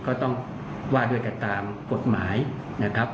ก็ต้องว่าด้วยกันตามกฎหมายนะครับ